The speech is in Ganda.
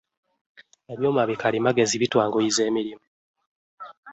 Ebyuma bikalimagezi bitwanguyiza emirimu.